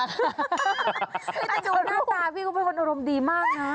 แต่ดูหน้าตาพี่ก็เป็นคนอุรมดีมากนะ